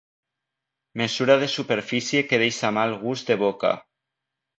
Mesura de superfície que deixa mal gust de boca.